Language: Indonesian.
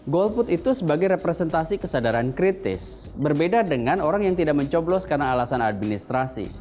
golput itu sebagai representasi kesadaran kritis berbeda dengan orang yang tidak mencoblos karena alasan administrasi